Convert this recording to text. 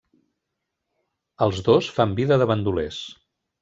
Els dos fan vida de bandolers.